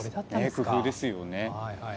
工夫ですよね。